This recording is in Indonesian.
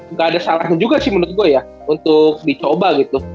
nggak ada salahnya juga sih menurut gue ya untuk dicoba gitu